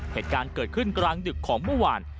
เหตุการณ์เกิดขึ้นกลางดึกของเมื่อวาน